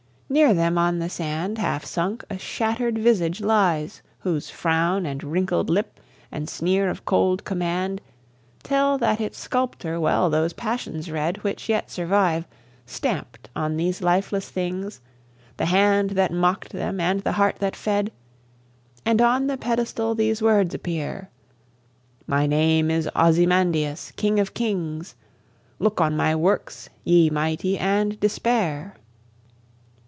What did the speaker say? Near them on the sand, Half sunk, a shattered visage lies, whose frown And wrinkled lip and sneer of cold command Tell that its sculptor well those passions read Which yet survive, stamped on these lifeless things, The hand that mock'd them and the heart that fed; And on the pedestal these words appear: 'My name is Ozymandias, king of kings: Look on my works, ye Mighty, and despair!'